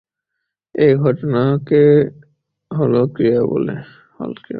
এই ঘটনাকে হল ক্রিয়া বলে।